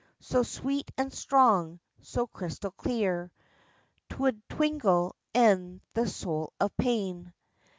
So sweet and strong, so crystal clear 'Twould tingle e'en the soul of Pain.